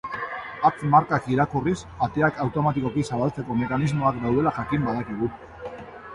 Hatz-markak irakurriz ateak automatikoki zabaltzeko mekanismoak daudela jakin badakigu.